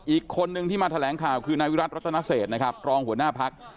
อีกคนนึงที่มาแถลงข่าวคือนายวิรัติรัตนเศษนะครับรองหัวหน้าพัก